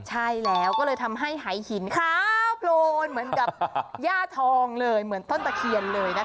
ใช่แล้วก็เลยทำให้หายหินขาวโพลนเหมือนกับย่าทองเลยเหมือนต้นตะเคียนเลยนะคะ